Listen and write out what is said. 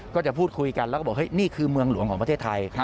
ก็จะพูดคุยกันแล้วก็บอกเฮ้ยนี่คือเมืองหลวงของประเทศไทย